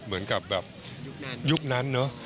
เหมือนกับแบบยุคนั้นเนอะ